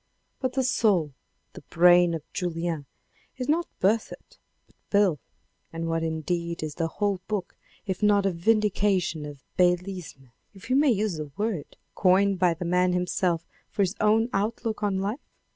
But the soul, the brain of Julien is not Berthet but Beyle. And what indeed is the whole book if not a vindication of beylisme, if we may use the word, coined by the man himself for his own outlook on life